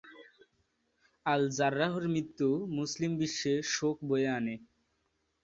আল-জাররাহর মৃত্যু মুসলিম বিশ্বে শোক বয়ে আনে।